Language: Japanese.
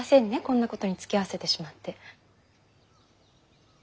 こんなことにつきあわせてしまって。